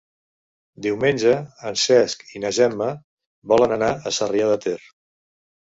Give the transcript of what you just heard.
Diumenge en Cesc i na Gemma volen anar a Sarrià de Ter.